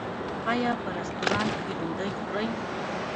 ایا په رستورانت کې ډوډۍ خورئ؟